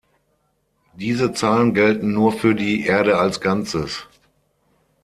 Diese Zahlen gelten nur für die Erde als Ganzes.